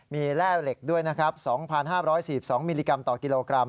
มีแร่เหล็กด้วยนะครับ๒๕๔๒มิลลิกรัมต่อกิโลกรัม